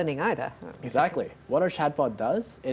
apa yang melakukan chatbot kami